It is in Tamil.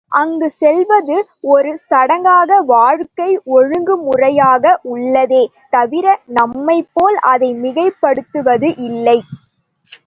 அங்குச் செல்வது ஒரு சடங்காக வாழ்க்கை ஒழுங்குமுறையாக உள்ளதே தவிர நம்மைப் போல் அதை மிகைப்படுத்துவது இல்லை.